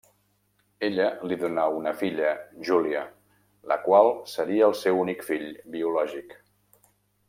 Ella li donà una filla, Júlia, la qual seria el seu únic fill biològic.